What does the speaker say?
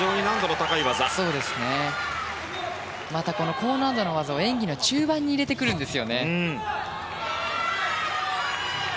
高難度の技を演技の中盤に入れてきます。